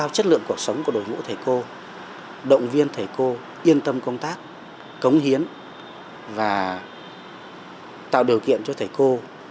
thầy cô động viên thầy cô yên tâm công tác cống hiến và tạo điều kiện cho thầy cô